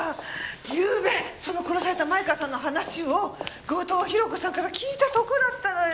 ゆうべその殺された前川さんの話を後藤宏子さんから聞いたとこだったのよ。